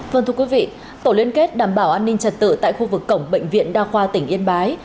vâng thưa quý vị tổ liên kết đảm bảo an ninh trật tự tại khu vực cổng bệnh viện đa khoa tỉnh yên bái